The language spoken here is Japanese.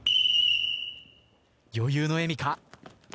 余裕の笑みか？